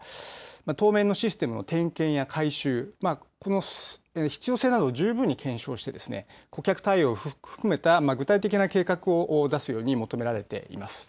当面のシステムの点検や改修、必要性などを十分に検証し顧客対応を含めた具体的な計画を出すように求められています。